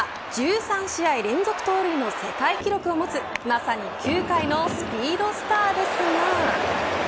周東選手といえば１３試合連続盗塁の世界記録を持つまさに球界のスピードスターですが。